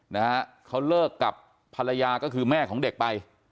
นะฮะเขาเลิกกับภรรยาก็คือแม่ของเด็กไป